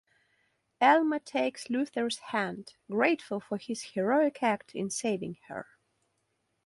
Alma takes Luther's hand, grateful for his heroic act in saving her.